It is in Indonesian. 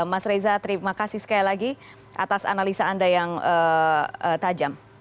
mas reza terima kasih sekali lagi atas analisa anda yang tajam